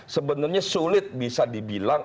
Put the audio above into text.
sebenarnya sulit bisa dibilang